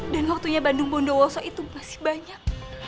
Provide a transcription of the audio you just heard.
dan waktunya bandung bondowoso itu masih banyak